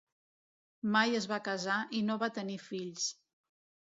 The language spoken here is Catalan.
Mai es va casar i no va tenir fills.